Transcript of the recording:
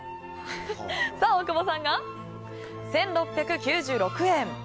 大久保さんが１６９６円。